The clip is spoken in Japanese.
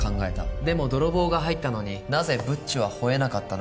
でも泥棒が入ったのになぜブッチは吠えなかったのか。